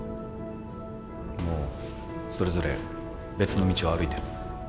もうそれぞれ別の道を歩いてる。